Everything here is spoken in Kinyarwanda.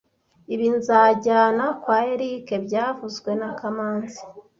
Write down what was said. Ibi nzajyana kwa Eric byavuzwe na kamanzi